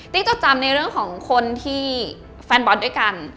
จดจำในเรื่องของคนที่แฟนบอลด้วยกัน